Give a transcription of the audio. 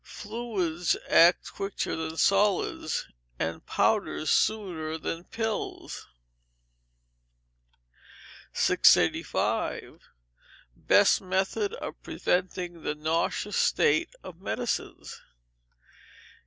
Fluids act quicker than solids, and powders sooner than pills. 685. Best Method of Preventing the Nauseous Taste of Medicines.